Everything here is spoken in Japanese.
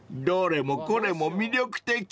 ［どれもこれも魅力的］